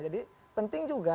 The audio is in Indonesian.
jadi penting juga